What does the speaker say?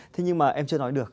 thế nhưng mà em chưa nói được